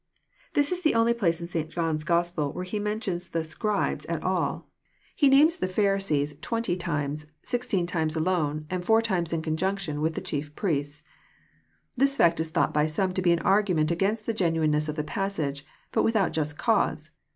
] This is the only place In St. John's Gospel where he mentions the " Scribes " at all. He names JOHN, CHAP. vm. 69 the Pharisees twenty times — sixteen times alone, and four times in ooi^ unction with the chief priests. This fact is thought by some to be an argument against the genuineness of the passage, but without Just cause.